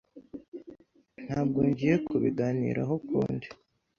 Ntabwo ngiye kubiganiraho ukundi.